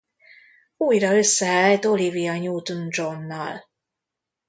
Újra összeállt Olivia Newton-Johnnal.